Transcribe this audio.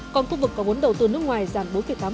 còn khu vực có vốn đầu tư nước ngoài giảm bốn tám